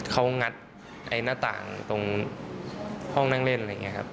เขางัดไอ้หน้าต่างตรงห้องนั่งเล่นอะไรอย่างนี้ครับ